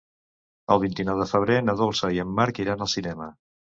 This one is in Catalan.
El vint-i-nou de febrer na Dolça i en Marc iran al cinema.